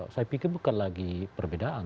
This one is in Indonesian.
saya pikir bukan lagi perbedaan